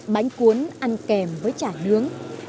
bánh cuốn ăn kèm với chả nướng